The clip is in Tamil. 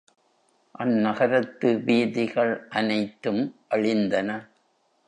அந் நகரத்து வீதிகள் அனைத்தும் அழிந்தன.